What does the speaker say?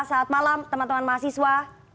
selamat malam teman teman mahasiswa